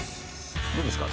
どうですか？